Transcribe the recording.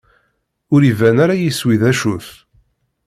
Ur iban ara yiswi d acu-t.